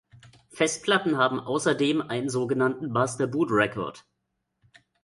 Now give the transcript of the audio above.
Festplatten haben außerdem einen sogenannten Master Boot Record.